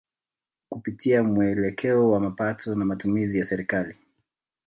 Kupitia muelekeo wa mapato na matumizi ya Serikali